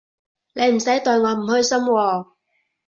你唔使代我唔開心喎